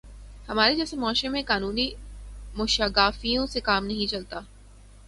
ہمارے جیسے معاشرے میں قانونی موشگافیوں سے کام نہیں چلتا۔